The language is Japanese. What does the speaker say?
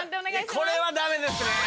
これはダメですね。